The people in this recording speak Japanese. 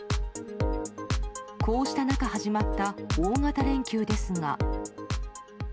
こうした中、始まった大型連休ですが。